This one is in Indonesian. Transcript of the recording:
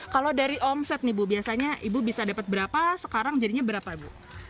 kalau dari omset nih bu biasanya ibu bisa dapat berapa sekarang jadinya berapa bu